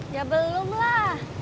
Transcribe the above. ya belum lah